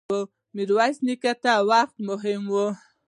ميرويس نيکه ته وخت مهم و.